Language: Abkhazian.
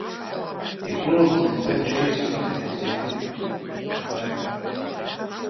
Игылоуп зынӡа аҽеиҵҳәаны ҳаинститут, абар!